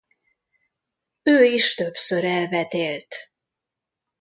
Ő is többször elvetélt.